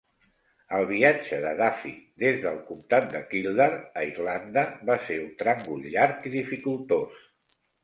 El viatge de Duffy des del comtat de Kildare, a Irlanda, va ser un tràngol llarg i dificultós.